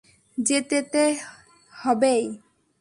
যেতে তে হবেই।